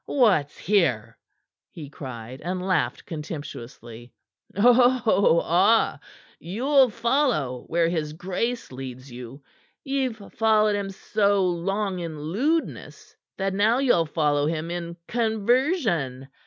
"What's here?" he cried, and laughed contemptuously. "Oh, ah! You'll follow where his grace leads you! Ye've followed him so long in lewdness that now yell follow him in conversion!